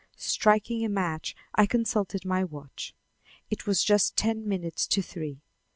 Striking a match, I consulted my watch. It was just ten minutes to three.